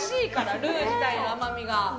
ルー自体の甘みが。